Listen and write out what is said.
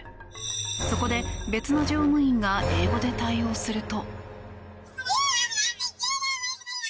そこで、別の乗務員が英語で対応すると。